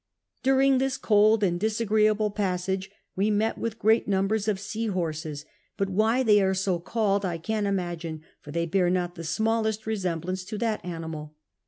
During this cold and disagreeable passage we met with great numbers of sea horses, but why they are so called 1 can't imagine, for they bear not the smallest resemblance to that animal.